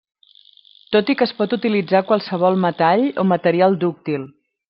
Tot i que es pot utilitzar qualsevol metall o material dúctil.